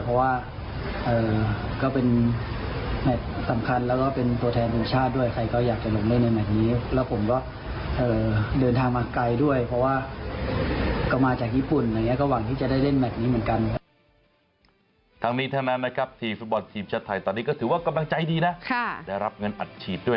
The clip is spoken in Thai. เพราะว่าก็เป็นแมทสำคัญแล้วก็เป็นตัวแทนอุงชาติด้วย